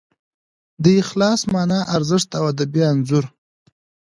د اخلاص مانا، ارزښت او ادبي انځور